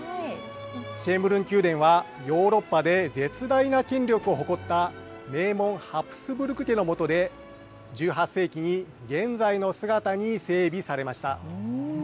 シェーンブルン宮殿はヨーロッパで絶大な権力を誇った名門ハプスブルク家のもので１８世紀に現在の姿に整備されました。